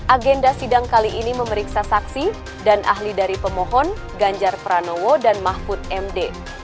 agenda sidang kali ini memeriksa saksi dan ahli dari pemohon ganjar pranowo dan mahfud md